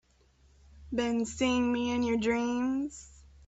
Been seeing me in your dreams?